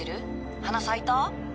花咲いた？